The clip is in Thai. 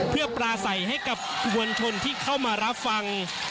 เพื่อปลาใสให้กับมวลชนที่เข้ามารับฟัง